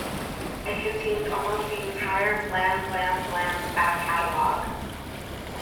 It contained almost the entire Blam Blam Blam back catalogue.